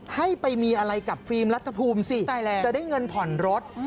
ให้ไปมีอะไรกับฟิล์มรัฐภูมิสิจะได้เงินผ่อนรถ